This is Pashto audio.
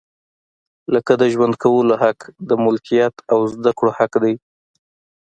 لکه د ژوند کولو حق، د ملکیت او زده کړې حق دی.